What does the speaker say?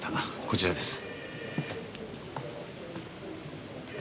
こちらです。